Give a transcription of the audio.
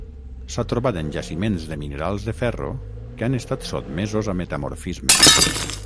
S'ha trobat en jaciments de minerals de ferro que han estat sotmesos a metamorfisme.